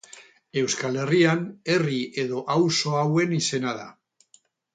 Euskal Herrian, herri edo auzo hauen izena da.